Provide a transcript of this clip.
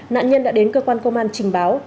nạn nhân đã đến cơ quan công an trình báo